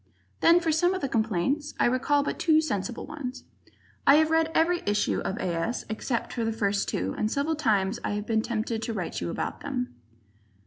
Then for some of the complaints, I recall but two sensible ones. I have read every issue of A. S. except the first two, and several times I have been tempted to write to you about them.